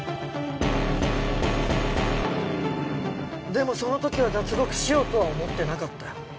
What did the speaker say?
でもその時は脱獄しようとは思ってなかったよ。